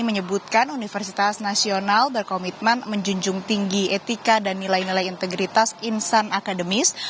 menyebutkan universitas nasional berkomitmen menjunjung tinggi etika dan nilai nilai integritas insan akademis